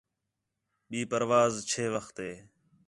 ٻئی پرواز چھے وخت ہے؟